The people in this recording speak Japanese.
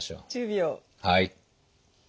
はい。